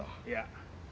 いや。